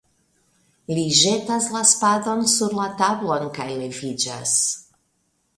Li ĵetas la spadon sur la tablon kaj leviĝas.